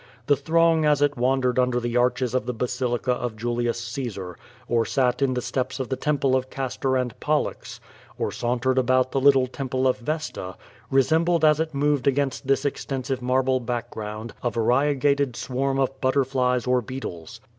The throng as it wandered under the arches of the basilica of Julius Caesar, or sat in the steps of the temple of Castor and Pollux, or sauntered about the little temple of Vesta, resembled as it moved against this extensive marble background, a variegated swarm of butterflies or beetles.